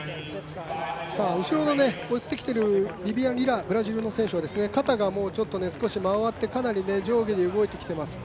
後ろが追ってきているビビアン・リラ、ブラジルの選手、肩が少し回って、かなり上下に動いています。